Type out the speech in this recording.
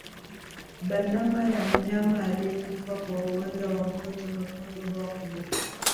Bandama ya mnyama aliyekufa kwa ugonjwa wa mkojo mwekundu huwa kubwa